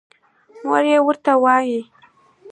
مور يې ورته وايې